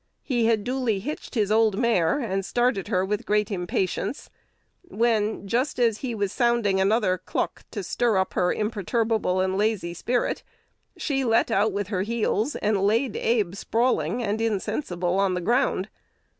He had duly hitched his "old mare," and started her with great impatience; when, just as he was sounding another "cluck," to stir up her imperturbable and lazy spirit, she let out with her heels, and laid Abe sprawling and insensible on the ground.